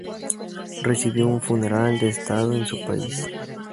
Recibió un funeral de Estado en su país.